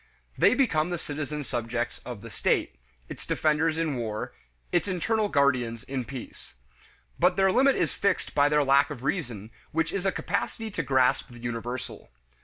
They become the citizen subjects of the state; its defenders in war; its internal guardians in peace. But their limit is fixed by their lack of reason, which is a capacity to grasp the universal.